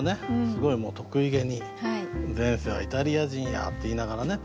すごい得意気に「前世はイタリア人や」って言いながらね